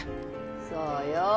そうよ